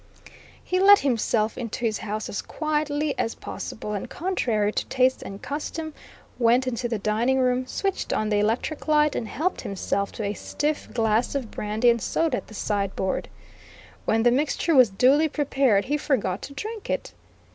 He let himself into his house as quietly as possible, and contrary to taste and custom, went into the dining room, switched on the electric light and helped himself to a stiff glass of brandy and soda at the sideboard. When the mixture was duly prepared, he forgot to drink it.